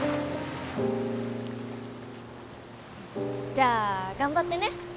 じゃあ頑張ってね！